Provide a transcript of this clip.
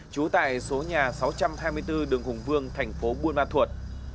trú tại số nhà sáu trăm hai mươi bốn đường hùng vương thành phố buôn ma thuột